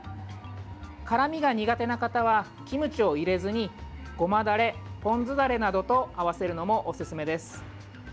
辛みが苦手な方はキムチを入れずにごまダレ、ポン酢ダレなどと合わせるのも、おすすめです。